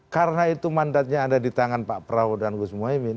karena itu mandatnya ada di tangan pak prabowo dan gus muhaymin